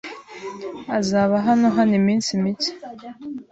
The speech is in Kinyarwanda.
azaba hano hano iminsi mike.